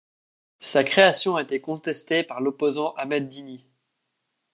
Sa création a été contestée par l'opposant Ahmed Dini.